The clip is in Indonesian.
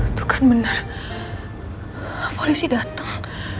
itu kan benar polisi datang